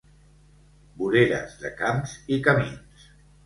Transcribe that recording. Voreres de camps i camins.